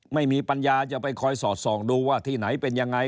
ไม่มีปัญญาจะไปคอยสอดส่องดูว่าที่ไหนเป็นยังไง